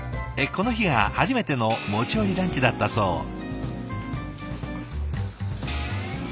この日が初めての持ち寄りランチだったそう。